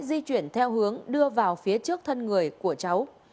di chuyển theo hướng đưa vào phía trước thân người của cháu